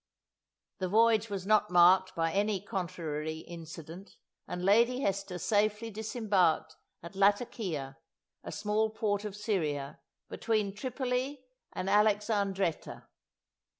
The voyage was not marked by any contrary incident, and Lady Hester safely disembarked at Latakia, a small port of Syria, between Tripoli and Alexandretta.